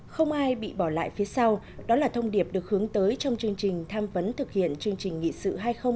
không ai bị bỏ lại phía sau đó là thông điệp được hướng tới trong chương trình tham vấn thực hiện chương trình nghị sự hai nghìn ba mươi